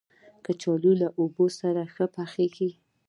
کچالو له اوبو سره ښه پخېږي